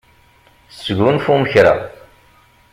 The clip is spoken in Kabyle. Sgunfum kra.